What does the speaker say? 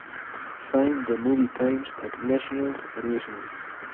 Find the movie times at National Amusements.